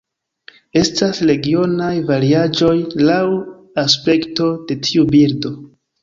Estas regionaj variaĵoj laŭ aspekto de tiu birdo.